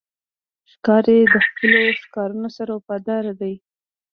ښکاري د خپلو ښکارونو سره وفادار دی.